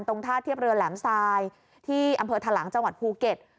ท่าเทียบเรือแหลมทรายที่อำเภอทะลังจังหวัดภูเก็ต